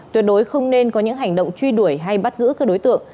tuyệt đối không nên có những hành động truy đuổi hay bắt giữ các đối tượng